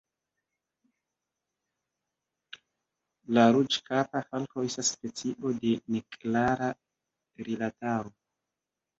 La Ruĝkapa falko estas specio de neklara rilataro.